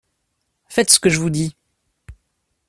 Faites ce que je vous dis.